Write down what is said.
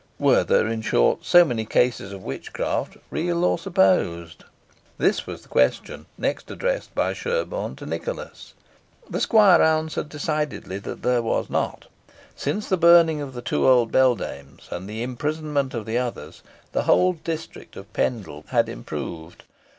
Were there, in short, so many cases of witchcraft, real or supposed?" This was the question next addressed by Sherborne to Nicholas. The squire answered decidedly there were not. Since the burning of the two old beldames, and the imprisonment of the others, the whole district of Pendle had improved.